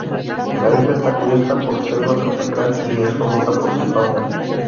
La isla está cubierta por selva tropical y es famosa por su fauna.